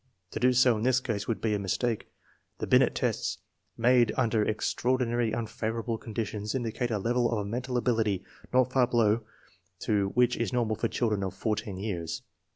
To do so in this case would be a mistake. The Binet test, made under extraordinarily unfavorable conditions, indicates a level of mental ability not far below that which is normal for children of 14 years.